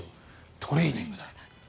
トレーニングだ。